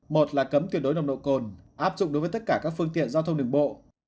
một là cấm tuyệt đối nồng độ cồn áp dụng đối với tất cả các phương tiện giao thông đường bộ